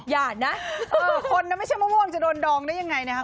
อย่านะคนนะไม่ใช่มะม่วงจะโดนดองได้ยังไงนะครับ